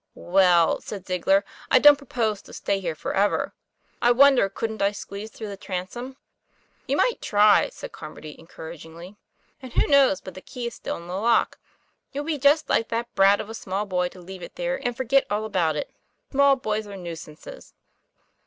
"Well," said Ziegler, "I don't propose to stay here forever. I wonder couldn't I squeeze through the transom?" 'You might try," said Carmody encouragingly. '" And who knows but the key is still in the lock? It would be just like that brat of a small boy to leave it there, and forget all about it. Small boys are nuisances."